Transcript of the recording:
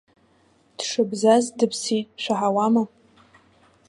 Дшыбзаз дыԥсит, шәаҳауама?